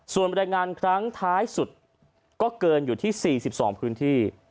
ส่วนบรรยายงานครั้งท้ายสุดก็เกินอยู่ที่๔๒พื้นที่